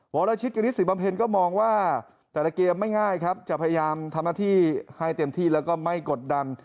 วรชิตกณิตศรีบำเพ็ญก็มองว่าแต่ละเกมไม่ง่ายครับจะพยายามทำหน้าที่ให้เต็มที่แล้วก็ไม่กดดัน